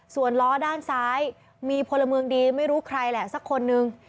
ส่วนล้อด้านซ้ายมีพลเมืองดีไม่รู้ใครแหละสักคนนึง